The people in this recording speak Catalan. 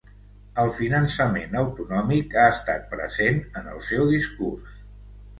El finançament autonòmic ha estat present en el seu discurs.